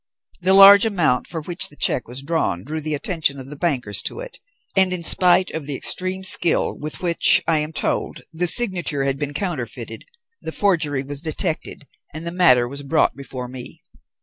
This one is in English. The large amount for which the cheque was drawn drew the attention of the bankers to it, and in spite of the extreme skill with which, I am told, the signature had been counterfeited, the forgery was detected, and the matter was brought before me.